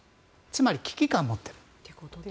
つまり危機感を持っている。